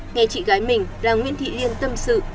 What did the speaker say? nghe chị gái mình là nguyễn thị liên tâm sự